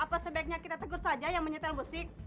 apa sebaiknya kita tegur saja yang menyetel musik